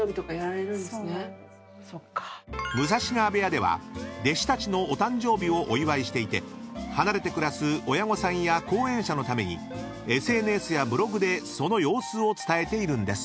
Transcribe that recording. ［武蔵川部屋では弟子たちのお誕生日をお祝いしていて離れて暮らす親御さんや後援者のためにＳＮＳやブログでその様子を伝えているんです］